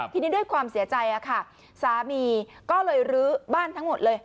ทีนี้ด้วยความเสียใจค่ะสามีก็เลยรื้อบ้านทั้งหมดเลย